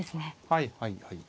はいはいはい。